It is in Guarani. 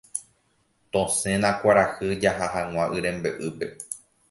Tosẽna kuarahy jaha hag̃ua yrembe'ýpe.